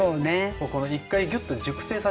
もうこの１回ギュッと熟成させたことによって。